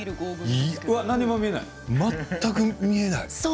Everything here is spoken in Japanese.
全く見えない。